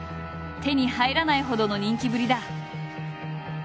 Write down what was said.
手に入らないほどの人気ぶりだ。